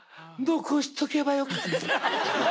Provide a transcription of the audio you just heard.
「残しとけばよかった」。